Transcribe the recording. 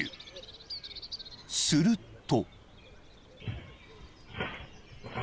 ［すると］